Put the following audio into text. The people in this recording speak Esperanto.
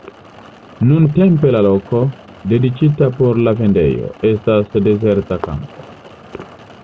Nuntempe la loko, dediĉita por la vendejo, estas dezerta kampo.